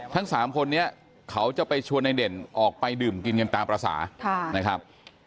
ทั้ง๓คนนี้เขาจะไปชวนในเด่นออกไปดื่มกินกันตามภาษานะครับ